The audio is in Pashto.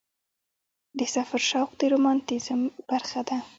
د سفر شوق د رومانتیزم برخه ده.